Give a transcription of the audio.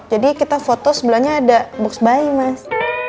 jadi kita foto sebelahnya ada box bayi mas